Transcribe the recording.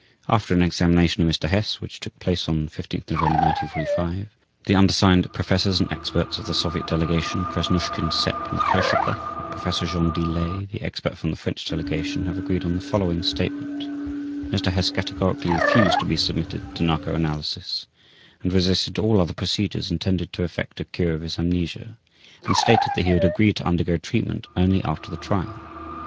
After an examination of Mr. Hess which took place on 15 November 1945, the undersigned Professors and experts of the Soviet Delegation, Krasnushkin, Sepp and Kurshakov, and Professor Jean Delay, the expert from the French Delegation, have agreed on the following statement: Mr. Hess categorically refused to be submitted to narco analysis and resisted all other procedures intended to effect a cure of his amnesia, and stated that he would agree to undergo treatment only after the trial.